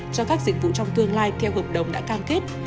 cho các dịch vụ trong tương lai theo hợp đồng đã cam kết